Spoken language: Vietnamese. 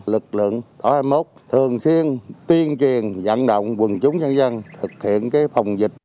lực lượng tổ hai mươi một thường xuyên tuyên truyền dẫn động quần chúng dân thực hiện phòng dịch